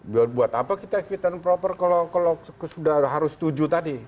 biar buat apa kita fit and proper kalau sudah harus setuju tadi